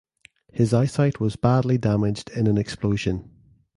His eyesight was badly damaged in an explosion.